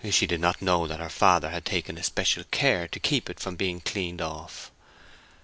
She did not know that her father had taken especial care to keep it from being cleaned off.